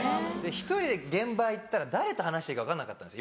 １人で現場行ったら誰と話していいか分かんなかったんです